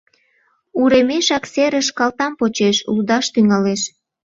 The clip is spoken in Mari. Уремешак серыш калтам почеш, лудаш тӱҥалеш.